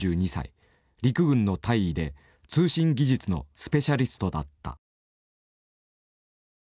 陸軍の大尉で通信技術のスペシャリストだった。